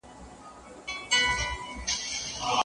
په نړۍ کي ټول انسانان مساوي دي.